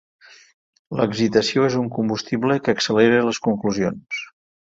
L'excitació és un combustible que accelera les conclusions.